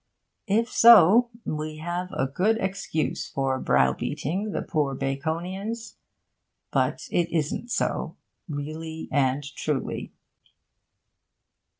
If so, we have a good excuse for browbeating the poor Baconians. But it isn't so, really and truly.